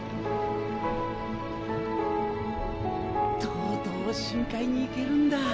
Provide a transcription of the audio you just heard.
とうとう深海に行けるんだ！